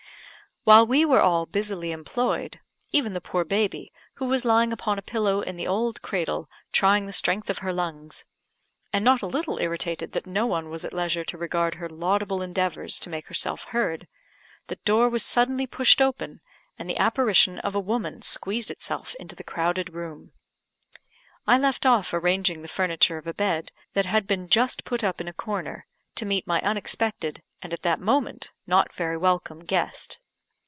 While we were all busily employed even the poor baby, who was lying upon a pillow in the old cradle, trying the strength of her lungs, and not a little irritated that no one was at leisure to regard her laudable endeavours to make herself heard the door was suddenly pushed open, and the apparition of a woman squeezed itself into the crowded room. I left off arranging the furniture of a bed, that had been just put up in a corner, to meet my unexpected, and at that moment, not very welcome guest.